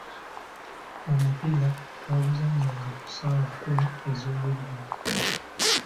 Omupiira twaguzannyanga ku ssaawa kkumi ez’olweggulo.